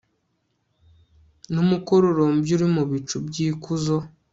n'umukororombya uri mu bicu by'ikuzo